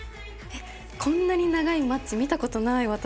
こんなに長いマッチ見たことない私。